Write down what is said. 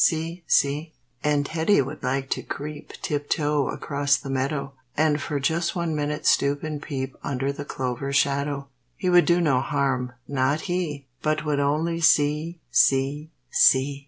See! see!" And Teddy would like to creep Tip toe across the meadow, And for just one minute stoop and peep Under the clover shadow. He would do no harm not he! But would only see, see, see!